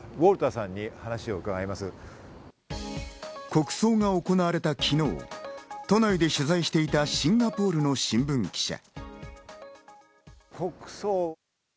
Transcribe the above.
国葬が行われた昨日、都内で取材していたシンガポールの新聞記者。